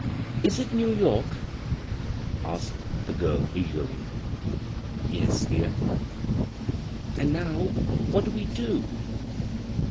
Is it New Y(^ 7" a^ed the child, eageiiy. "Yes, dear." " Aad now what do we do